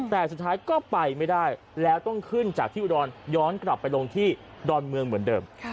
แต่สุดท้ายก็ไปไม่ได้แล้วต้องขึ้นจากที่อุดรย้อนกลับไปลงที่ดอนเมืองเหมือนเดิม